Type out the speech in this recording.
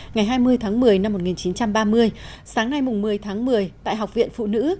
ngày hai mươi tháng một mươi năm một nghìn chín trăm ba mươi sáng nay một mươi tháng một mươi tại học viện phụ nữ